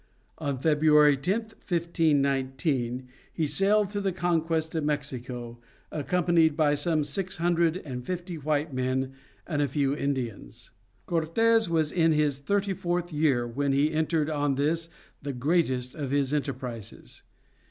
On February 10, 1519, he sailed to the conquest of Mexico, accompanied by some six hundred and fifty white men and a few Indians. Cortes was in his thirty fourth year when he entered on this the greatest of his enterprises.